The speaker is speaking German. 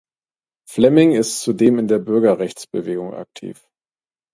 Flemming ist zudem in der Bürgerrechtsbewegung aktiv.